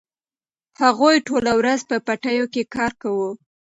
هغوی ټوله ورځ په پټیو کې کار کاوه.